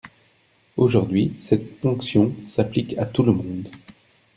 Aujourd’hui, cette ponction s’applique à tout le monde.